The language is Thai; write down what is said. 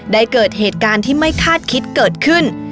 เกิดเหตุการณ์ที่ไม่คาดคิดเกิดขึ้น